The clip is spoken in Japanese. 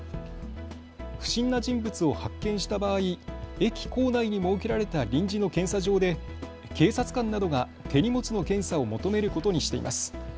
不審な人物を発見した場合、駅構内に設けられた臨時の検査場で警察官などが手荷物の検査を求めることにしています。